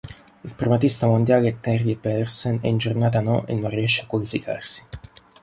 Il primatista mondiale Terje Pedersen è in giornata-no e non riesce a qualificarsi.